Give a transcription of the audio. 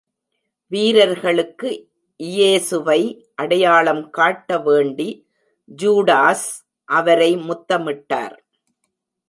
வீரர்களுக்கு இயேசுவை அடையாளம் காட்ட வேண்டி ஜூடாஸ் அவரை முத்தமிட்டார்.